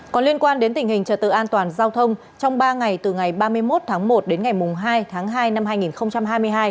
còn liên quan đến tình hình trật tự an toàn giao thông trong ba ngày từ ngày ba mươi một tháng một đến ngày hai tháng hai năm hai nghìn hai mươi hai